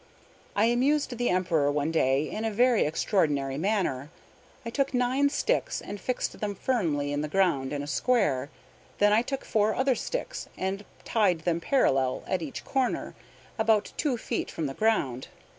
I amused the Emperor one day in a very extraordinary manner. I took nine sticks, and fixed them firmly in the ground in a square. Then I took four other sticks, and tied them parallel at each corner, about two feet from the ground.